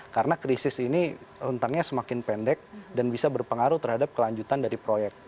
karena krisis ini rentangnya semakin pendek dan bisa berpengaruh terhadap kelanjutan dari proyek